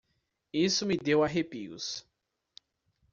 Isso me deu arrepios.